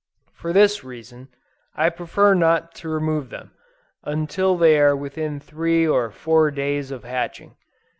For this reason, I prefer not to remove them, until they are within three or four days of hatching.